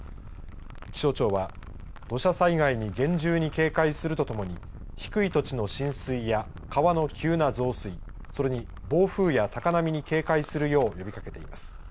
気象庁は土砂災害に厳重に警戒するとともに低い土地の浸水や川の急な増水それに暴風や高波に警戒するよう呼びかけています。